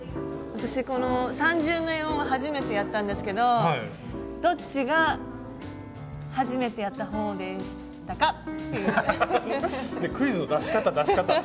私この三重縫いを初めてやったんですけどどっちが初めてやった方でしたか？